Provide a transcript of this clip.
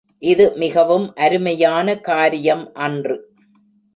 இது மிகவும் அருமையான காரியம் அன்று.